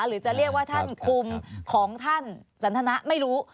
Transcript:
หรือจะเรียกว่าท่านคุมของท่านสันทนะไม่รู้